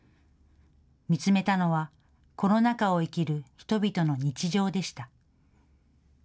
見つめたのはコロナ禍を生きる人々の日常でした。